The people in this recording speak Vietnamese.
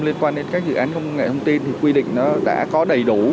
liên quan đến các dự án công nghệ thông tin thì quy định nó đã có đầy đủ